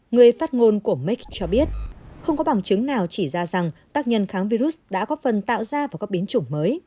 người phát ngôn của mec cho biết không có bằng chứng nào chỉ ra rằng các nhân kháng virus đã có phần tạo ra và có biến chủng